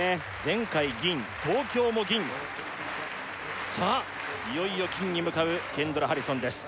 前回銀東京も銀さあいよいよ金に向かうケンドラ・ハリソンです